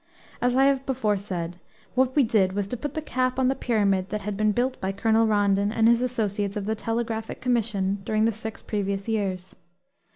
As I have before said, what we did was to put the cap on the pyramid that had been built by Colonel Rondon and his associates of the Telegraphic Commission during the six previous years.